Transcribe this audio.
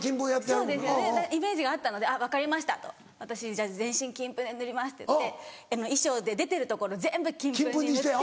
そうですよねイメージがあったので「分かりました私じゃあ全身金粉塗ります」って言って衣装で出てるところ全部金粉塗って。